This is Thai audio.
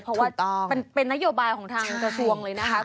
เพราะว่าเป็นนโยบายของทางกระทรวงเลยนะคะ